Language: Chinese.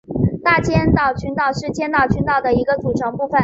大千岛群岛是千岛群岛的一个组成部分。